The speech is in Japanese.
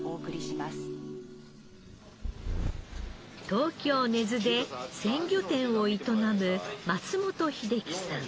東京根津で鮮魚店を営む松本秀樹さん。